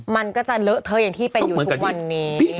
มันก็จะเลอะเทอะอย่างที่เป็นอยู่ทุกวันนี้